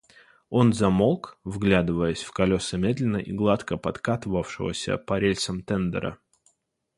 Он замолк, вглядываясь в колеса медленно и гладко подкатывавшегося по рельсам тендера.